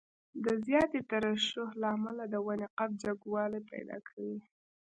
د زیاتې ترشح له امله د ونې قد جګوالی پیدا کوي.